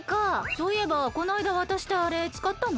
そういえばこないだわたしたあれつかったの？